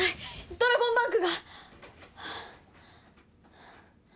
「ドラゴンバンク」